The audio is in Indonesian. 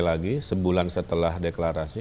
lagi sebulan setelah deklarasi